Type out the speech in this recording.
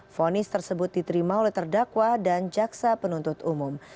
fonis tersebut diterima oleh terdakwa dan jaksa penuntut umum